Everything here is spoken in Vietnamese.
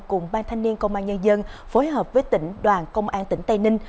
cùng ban thanh niên công an nhân dân phối hợp với tỉnh đoàn công an tỉnh tây ninh